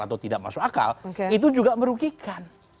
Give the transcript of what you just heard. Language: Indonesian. atau tidak masuk akal itu juga merugikan